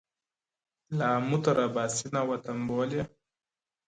له آمو تر اباسینه وطن بولي-